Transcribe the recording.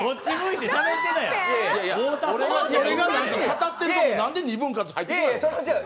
語ってるとこ何で２分割入ってくる。